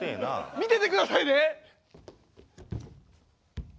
見ててくださいね！